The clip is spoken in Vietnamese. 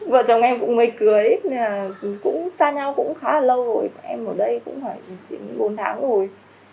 vợ chồng em cũng mới cưới xa nhau cũng khá là lâu rồi em ở đây cũng khoảng bốn tháng rồi